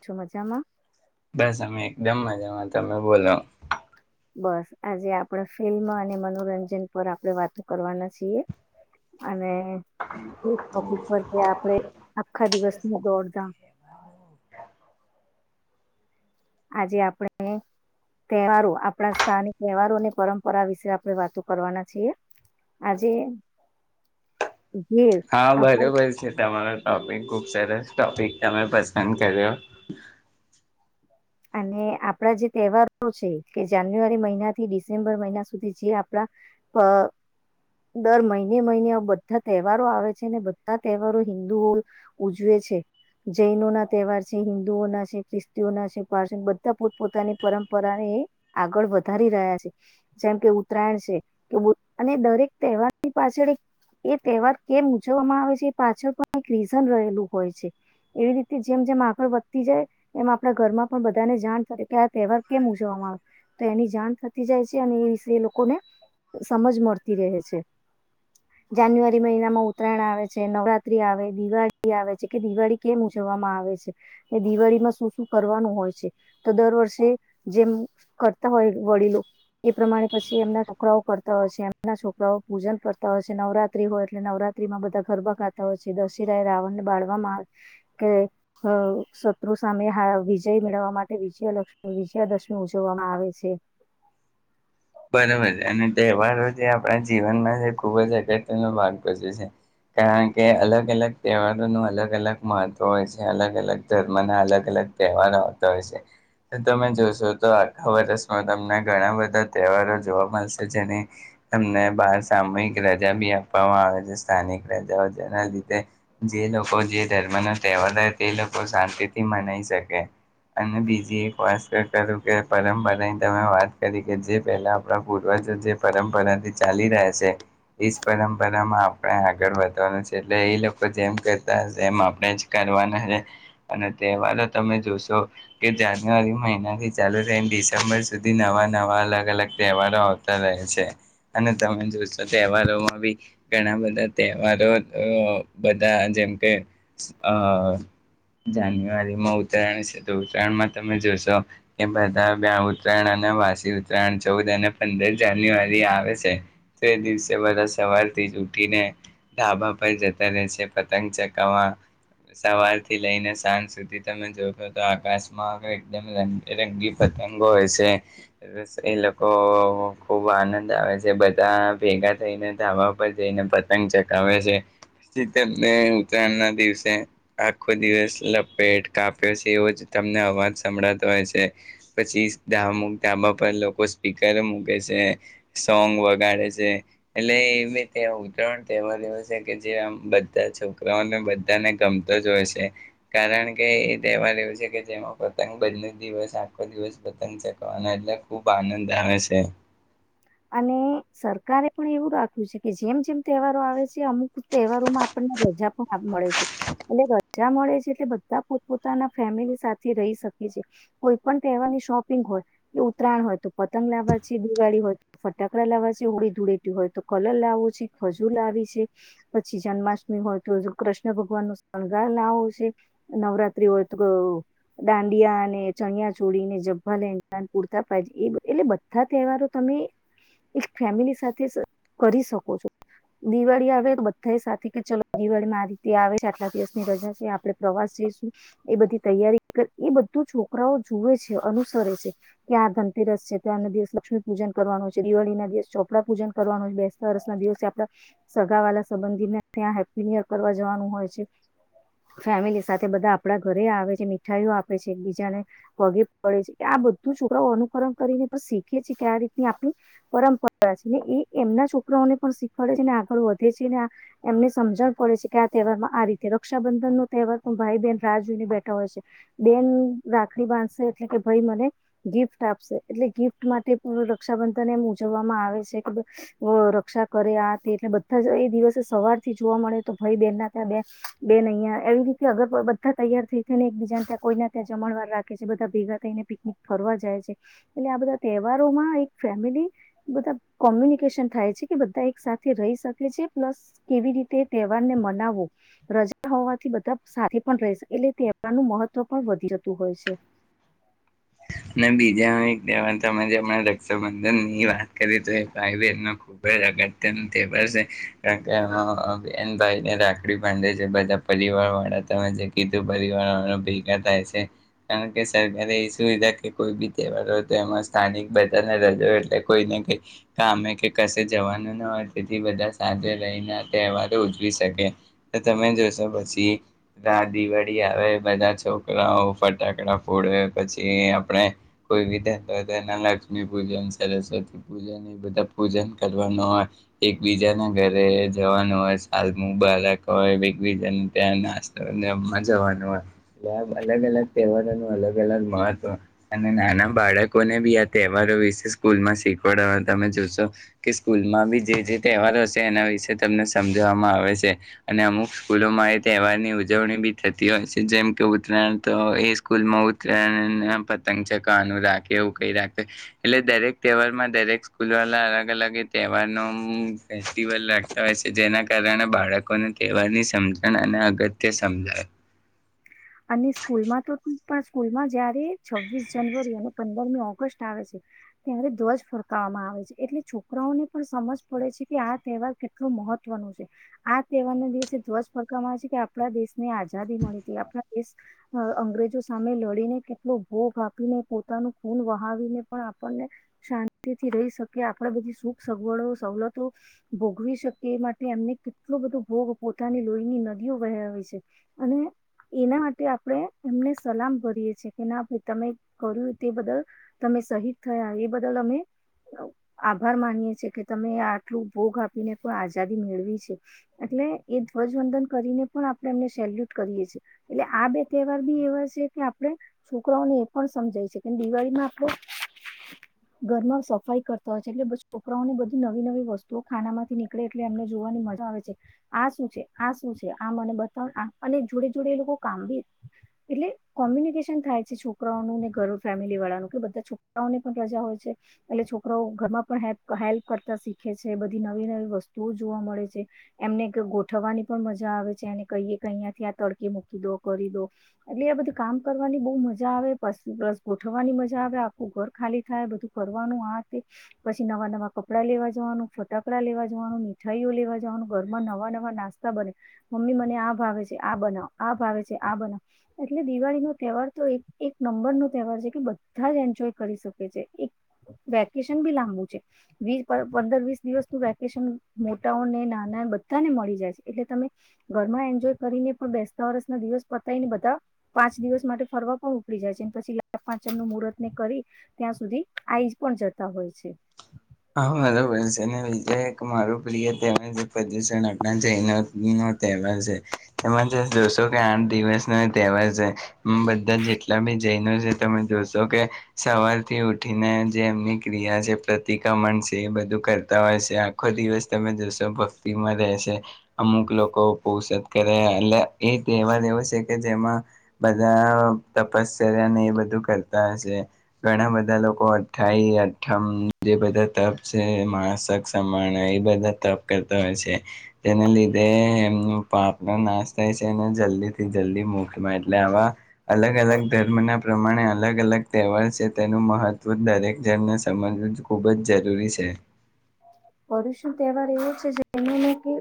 છો મજામાં. જમવા જવાન તમે બોલો. બસ આજે આપડા ફિલ્મ અને મનોરંજન પર આપડે વાતો કરવાના છીએ અને કે આપડી ફરતે આપડે આખા દિવસની દોડધામ. આજે આપણે તહેવારો આપણા સ્થાાનિક તહેવારોની પરંપરા વિશે આપડે વાતો કરવાના છીએ. આજે ઘેર હા આપણ બરોબર છે. તમારુ ટોપિક. ખુબ સરસ ટોપિક તમે પસંદ કર્યો. અને આપડા જે તહેવારો છે કે જાન્યુઆરી મહિનાથી ડિસેમ્બર મહિના સુધી જે આપડા અ દર મહિને-મહિને બધા તહેવારો આવે છે ને બધા તહેવારો હિન્દુઓ ઉજવે છે. જૈનોના તહેવાર છે, હિન્દુઓના છે, ખ્રિસ્તીઓના છે. [unintelligible] બધા પોત-પોતાની પરંપરાને આગળ વધારી રહ્યા છે. જેમ કે ઉત્તરાયણ છે કે અને દરેક તહેવારની પાછળ એક એ તહેવાર કેમ ઉજવવામાં આવે છે એ પાછળ પણ એક રીઝન રહેલું હોય છે. એવી રીતે જેમ-જેમ આગળ વધતી જાય એમ આપડા ઘરમાં પણ બધાને જાણ થ કે આ તહેવાર કેમ ઉજવવામાં આવે. તો એની જાણ થતી જાય છે અને એ વિશે એ લોકોને સમજ મળતી રહે છે. જાન્યુઆરી મહિનામાં ઉત્તરાયણ આવે છે. નવરાત્રી આવે, દિવાળી આવે છે, કે દિવાળી કેમ ઉજવવામાં આવે છે. દિવાળીમાં શું શું કરવાનું હોય છે. તો દર વર્ષે જેમ કરતા હોય વડીલો એ પ્રમાણે પછી એમના છોકરાઓ કરતા હોય છે. એમના છોકરાઓ પૂજન કરતા હોય છે. નવરાત્રી હોય એટલે નવરાત્રીમાં બધા ગરબા ગાતા હોય છે. દશેરાએ રાવણને બાળવામાં આવે કે અ શત્રુ સામે વિજય મેળવવા માટે વિજયાલક્ષ્મી, વિજયાદશમી ઉજવવામાં આવે છે. બરોબર છે. અને તહેવારો જે આપડા જીવનમાં જે ખૂબ જ અગત્યનો ભાગ ભજવે છે. કારણ કે અલગ-અલગ તહેવારોનું અલગ-અલગ મહત્વ હોય છે. અલગ-અલગ ધર્મના અલગ-અલગ તહેવારો આવતા હોય છે. તો તમે જોશો તો આખા વર્ષમાં તમને ઘણા બધા તહેવારો જોવા મળશે. જેને તમને બાર સામૂહિક રજા બી આપવામાં આવે છે. સ્થાનિક રજાઓ જેના લીધે જે લોકો જે ધર્મનો તહેવાર હોય તે લોકો શાંતિથી મનાઈ શકે. અને બીજી એક વસ્ટ કરું કે પરંપરાની તમે વાત કરી કે જે પેલા આપડા પૂર્વજો જે પરંપરાથી ચાલી રહે છે. એજ પરંપરામાં આપડે આગળ વધવાનું છે. એટલે એ લોકો જેમ કરતાશે એમ આપડે જ કરવાના છે. અને તહેવારો તમે જોશો કે જાન્યુઆરી મહિના થી ચાલુ થઈ ને ડિસેમ્બર સુધી નવા-નવા અલ અલગ તહેવારો આવતા રહે છે. અને તમે જોશો તહેવારોમાં બી ઘણા બધા તહેવારો અ બધા જેમ કે અ જાન્યુઆરીમાં ઉત્તરાયણ છે. તો ઉત્તરાયણમાં તમે જોશો કે બધા બે ઉત્તરાયણ અને વાસી ઉતરાયણ ચૌદ અને પંદર જાન્યુઆરી આવે છે. તો એ દિવસે બધા સવારથી જ ઉઠીને ધાબા પર જતા રહે છે પતંગ ચકાવા. સવારથી લઈને સાંજ સુધી તમે જોશો તો આકાશમાં એકદમ રંગેરંગી પતંગો હોય છે. એ લોકો ખૂબ આનંદ આવે છે. બધા ભેગા થઈને ધાબા પર જઈને પતંગ ચગાવે છે. પછી તેમને ઉતરાયણના દિવસે આખો દિવસ લપેટ, કાપ્યો છે, એવો જ તમને અવાજ સંભળાતો હોય છે. પછી ધામુક ધાબા પર લોકો સ્પીકર મૂકે છે. સોંગ વગાડે છે. એટલે એ બી ત્યાં ઉતરાણ તહેવાર એવો છે કે જે આમ બધા છોકરાઓને બધાને ગમતો જ હોય છે. કારણ કે એ તહેવાર એવો છે કે જેમાં પતંગ બંને દિવસ આખો દિવસ પતંગ ચકવાના એટલે ખૂબ ખૂબ આનંદ આવે છે. અને સરકારે પણ એવું રાખ્યું છે કે જેમ જેમ તહેવારો આવે છે. અમુક તહેવારોમાં આપડને રજા પણ મળે છે. એટલે રજા મળે છે એટલે બધા પોતપોતાના ફેમિલી સાથે રહી શકે છે. કોઈ પણ તહેવારની શોપિંગ હોય કે ઉત્તરાયણ હોય તો પતંગ લાવવા છે. દિવાળી હોય તો ફટાકડા લાવા છે. હોળી ધૂળેટી હોય તો કલર લાવો છે. ખજુર લાવી છે. પછી જન્માષ્ટમી હોય તો કૃષ્ણ ભગવાનનો શણગાર લાવો છે. નવરાત્રી હોય તો દાંડિયાને, ચણિયા-ચોળીને, ઝભ્ભા-લેઘા, કુર્તા પજા એ એટલે બધા તહેવારો તમે એક ફેમિલી સાથે કરી શકો છો. દિવાળી આવે તો બધા એ સાથે કે ચલો દિવાળીમાં આ રીતે આવે છે. આટલા દિવસની રજા છે. આપડે પ્રવાસ જઈશું એ બધી તૈયારી એ બધું છોકરાઓ જુવે છે. અનુસરે છે. કે આ ધનતેરસ છે. તો આના દિવસ લક્ષ્મી પૂજન કરવાનું છે દિવાળીના જે ચોપડા પૂજન કરવાનું હોય, બેસતા વરસના દિવસે આપડા સગાવાલા સંબંધીને ત્યાં હેપ્પી ન્યુ યર કરવા જવાનું હોય છે, ફેમિલી સાથે બધા આપડા ઘરે આવે છે, મીઠાઈઓ આપે છે, એકબીજાને પગે પડે છે, આ બધું છોકરાઓ અનુકરણ કરીને પણ શીખીએ છીએ કે, આ રીતની આપણી પરંપરા છે ને એ એમના છોકરાઓને પણ શીખવાડે છે ને આગળ વધે છે ને એમને સમજણ પડે છે કે આ તહેવારમાં આ રીતે રક્ષાબંધનનો તહેવાર પણ ભાઈ બહેન રાહ જોઈને બેઠા હોય છે, બેન રાખડી બાંધશે એટલે કે ભઈ મને ગિફ્ટ આપશે એટલે ગિફ્ટ માટે પણ રક્ષાબંધ ધાને એમ ઉજવવામાં આવે છે કે બ અ રક્ષા કરે આ તે એટલે બધા એ દિવસે સવારથી જોવા મળે તો ભઈ બેનના ત્યાં બે બેન અહીંયા એવી રીતે અગર બધા તૈયાર થઈ થઈને એકબીજાન ત્યાં કોઈના ત્યાં જમણવાર રાખે છે, બધા ભેગા થઈને પિકનિક ફરવા જાય છે, એટલે આ બધા તહેવારોમાં એક ફેમિલી બધા કોમ્યુનિકેશન થાય છે કે, બધા એક સાથે રહી શકે છે પ્લસ કેવી રીતે તહેવારને મનાવો રજા હોવાથી બધા સાથે પણ રેશ એટલે તહેવારનું મહત્વ પણ વધી જતું હોય છે. અને બીજા એક તહેવાર તમે જેમ રક્ષાબંધનની વાત કરીએ તો એ આઈ બેનનો ખૂબ જ અગત્યનો તેહવાર સે કે કે હ હ એમ થાય રાખડી બાંધે છે બધા પરિવારવાળા ત જે કીધું પરિવારવાળા ભેગા થાય છે કારણ કે, સરકારે એ સુવિધા કે કોઈ બી તહેવારો હોય તો એમાં સ્થાનિક બધાને રજા એટલે કોઈને કઈ કામે કે કશે જવાનું ન હોય તેથી બધા સાથે રહીને તહેવારો ઉજવી શકે તો તમે જોશો પછી રા દિવાળી આવે બધા છોકરાઓ ફટાકડા ફોડે પછી આપ રે કોઇરીતે [unintelligible] લક્ષ્મી પૂજન, સરસ્વતી પૂજન એ બધા પૂજન કરવાનું હોય એકબીજાના ઘરે જવાનું હોય સાલમું બાળક હોય એકબીજાન ત્યાં નાસ્તોને જવાનું હોય એટલે આ અલગ અલગ તહેવારો ન અલગ અલગ મહત્વ અને નાના બાળકોને બી આ તહેવારો વિશે સ્કૂલમાં શીખવાડવા તમે જોશો કે સ્કૂલમાં બી જે જે તહેવારો સે, એના વિશે તમને સમજવામાં આવે સે, અને અમુક સ્કૂલોમાં એ તહેવારની ઉજવણી બી થતી હોય સે, જેમ કે ઉત્તરાયણ તો એ સ્કૂલમાં ઉત્તરાયણ ને આ પત તન ચકાનું રાખે એવું કઈ રાખે એટલે દરેક તહેવારમાં દરેક સ્કૂલવાલા અલગ અલગ તહેવાર નો ફેસ્ટિવલ રાખતા હોય સે, જેના કારણે બાળકોને તહેવારની સમજણ અને અગત્ય સમજાય. અને સ્કૂલમાં તો તું પણ સ્કૂલમાં જયારે છવ્વીસ જનવરી અને પંદરમી ઓગસ્ટ આવે છે, ત્યારે ધ્વજ ફરકાવવામાં આવે છે, એટલે છોકરાઓને પણ સમજ પડે છે કે આ તહેવાર કેટલો મહત્વનો છે, આ તહેવારના દિવસે ધ્વજ ફરકાવવામાં આવે છે કે આપણા દેશ ને આઝાદી મળીતી આપડા એસ અ અંગ્રેજો સામે લડીને કેટલો ભોગ આપીને પોતાનું ખૂન વહાવીને પણ આપણને શાંતિથી રહી શકે આપણા બધી સુખ સગવડો સવલતો ભોગવી શકીએ એ માટે એમને કેટલો બધો ભોગ પોતાની લોહીની નદીઓ વહેવે છે અને એના માટે આપણે એમને સલામ ભરીએ છીએ કે ના ભાઈ તમે કર્યું તે બદલ તમે શહીદ થયા એ બદલ અમે અઉ આભાર માનીએ છેએ કે, તમે આટલું ભોગ આપીને પણ આઝાદી મેળવી છે, એટલે એ ધ્વજવંદન કરીને પણ આપણે એમને સેલ્યુટ કરીએ છીએ. એટલે આ બે તહેવાર બી એવા છે કે આપડે છોકરાઓને એ પણ સમજાય છે કે દિવાળીમાં આપડે ઘરમાં સફાઈ કરતા હોય છે, એટલે બસ છોકરાઓને બધી નવી નવી વસ્તુઓ ખાનામાંથી નીકળે એટલે એમને જોવાની મજા આવે છે, આ શું છે? આ શું છે? આ મને બતાવ આ અને જોડે જોડે એ લોકો કામ બી એટલે કોમ્યુનિકેશન થાય છે છોકરાઓનું ને ઘર ફેમિલીવાળાનું કે બધા છોકરાઓને પણ રજા હોય છે, એટલે છોકરાઓ ઘરમાં પણ હેલ્પ હેલ્પ કરતા શીખે છે, બધી નવી નવી વસ્તુઓ જોવા મળે છે, એમને ક ગોઠવવાની પણ મજા આવે છે, અને કઈએ કહીયાંથી આ તડકે મૂક કી દો કરી દો, એટલે આ બધું કામ કરવાની બહુ મજા આવે પસી બસ ગોઠવવાની મજા આવે, આખું ઘર ખાલી થાય બધું કરવાનું આ તે પછી નવા નવા કપડાં લેવા જવાનું, ફટાકડા લેવા જવાનું, મીઠાઈઓ લેવા જવાનું, ઘરમાં નવા નવા નાસ્તા બને, મમ્મી મને આ ભાવે છે આ બનાવો આ ભાવે છે આ બનાવ. એટલે દિવાળીનો તહેવાર તો એક એક નંબરનો તહેવાર છે કે, બધા જ એન્જોય કરી શકે છે, એક વેકેશન બી લાંબુ છે, વીર પર પંદર વિસ દિવસનું વેકેશન મોટાઓને નાના બધાને મળી જાય છે, એટલે તમે ઘરમાં એન્જોય કરીને પણ બેસ્ટ વરસના દિવસ પતાય ને બધા પાંચ દિવસ માટે ફરવા પણ ઉપડી જાય છે, પછી લા પાચમનું મુરતને કરી ત્યાં સુધી આઈજ પણ જતા હોય છે. હા, મારો પન છ ને બીજે એક મારો પ્રિય તહેવાર છે, પદયુશણ આપના જૈનોની નો તહેવાર છે, એમાં તેમ જોશો કે આઠ દિવસ ન તહેવાર છે, બધા જેટલા બી જૈનો છે તમે જોશો કે સવારથી ઉઠીને જે એમની ક્રિયા છે, પ્રત તિકમણ છે એ બધું કરતા હોય સે, આખો દિવસ તમે જોશો ભક્તિમાં રહેશે. અમુક લોકો પોૌષધ કરે એટલે એ તહેવાર એવો સે કે, જેમાં બધા તપસચર્યા અને એ બધું કરતા હોય સે, ઘણા બધા લોકો અઠાઈ અઠમ જે બધા તપ સે એ માણસ સક સમયના એ બધા તપ કરતા હોય છે, તેના લીધે એમનું પાપનો નાશ થાય સે, એને જલ્દીથી જલ્દી મોક મળે, એટલે આવા અલગ અલગ ધર્મના પ્રમાણે અલગ અલગ તહેવાર સે, તેનું મહત્વ દરેક જનને સમજવું જો ખૂબ જ જરૂરી છે. પરૂશું તહેવાર એવો છે જેને ને કે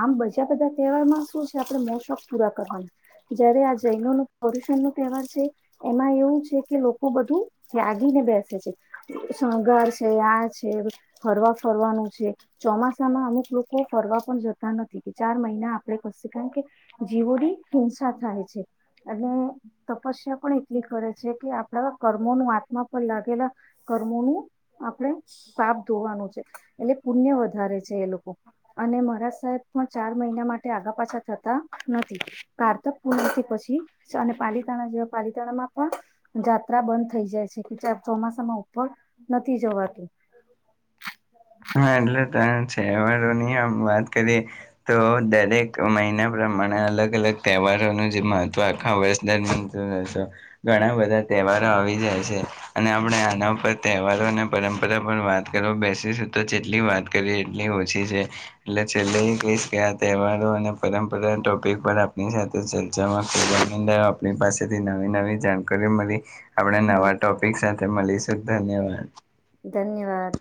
આમ બજા બધા તહેવારમાં શું છે આપણે મો શોક પૂરા કરવાનું, જયારે આ જૈનો નો પર્યુષણનો તહેવાર છે, એમાં એવું છે કે, લોકો બધું ત્યાગીને બેસે છે, શણગાર છે, આ છે, હરવા ફરવાનું છે ચોમાસામાં અમુક લોકો ફરવા પણ જતા નથી કે, ચાર મહિના આપડે કશે કારણ કે, જીવોની હિંસા થાય છે, અને તપસ્યા પણ એટલી કરે છે કે, આપણા કર્મોનો આત્મા પર લાગેલા કર્મોનું આપણે પાપ ધોવાનું છે. એટલે પુણ્ય વધારે છે એ લોકો અને મહારાજ સાહેબ પણ ચાર મહિના માટે આઘા પાછા થતા નથી. કારતક પુનમથી પછી સ અને પાલીતાણા જેવા પાલીતાણામાં પણ જાત્રા બંધ થઈ જાય છે કે, ચા ચોમાસામાં ઉપર નથી જવાતું. હા, એટલે તાન તહેવારોની આ વાત કરીએ તો દરેક મહિના પ્રમાણે અલગ અલગ તહેવારોનું જે મહત્વ આખા વર્ષ દરમિયાન [unintelligible] ઘણા બધા તહેવારો આવી જાય છે, અને આપણે આના પર તહેવારો અને પરંપરા પર વાત કરવા બેસીસુ તો જેટલી વાત કરીએ એટલી ઓછી છે, એટલે છેલ્લે એ કહીશ કે આ તહેવારો અને પરંપરા ટોપિક પર આપની સાથે ચર્ચામાં [unintelligible] આપની પાસેથી નવી નવી જાણકારી મલી આપડે હા નવા ટોપિક સાથે મલીશ તે ધન્યવાદ. ધન્યવાદ.